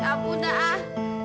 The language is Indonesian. ya ampun dah ah